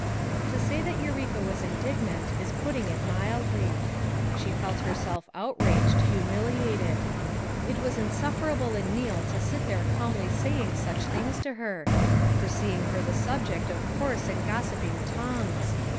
To say that Eureka was indignant is putting it inildly. She felt herself outraged, humili ated. It was insufferable in Ncal to sit there calmly saying such things to her; foreseeing her the subject of coarse and gossiping tongues!